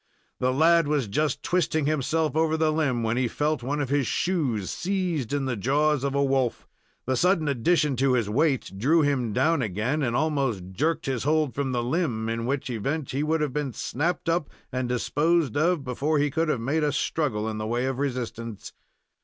The lad was just twisting himself over the limb, when he felt one of his shoes seized in the jaws of a wolf. The sudden addition to his weight drew him down again, and almost jerked his hold from the limb, in which event he would have been snapped up and disposed of before he could have made a struggle in the way of resistance.